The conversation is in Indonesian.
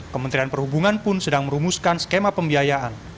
kementerian perhubungan pun sedang merumuskan skema pembiayaan